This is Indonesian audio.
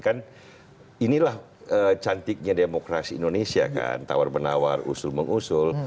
kan inilah cantiknya demokrasi indonesia kan tawar menawar usul mengusul